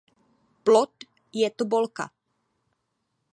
Plod je tobolka.